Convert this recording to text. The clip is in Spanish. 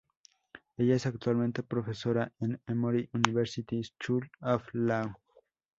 Ella es actualmente profesora en Emory University School of Law